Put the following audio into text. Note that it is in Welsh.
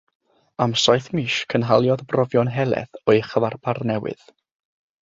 Am saith mis cynhaliodd brofion helaeth o'i chyfarpar newydd.